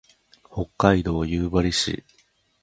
北海道夕張市